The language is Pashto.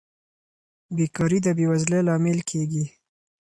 بېکاري د بې وزلۍ لامل کیږي.